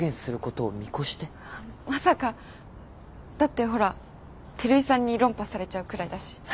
だってほら照井さんに論破されちゃうくらいだし。